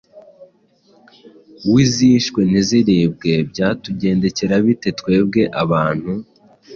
w’izishwe ntiziribwe byatugendekera bite twebwe abantu?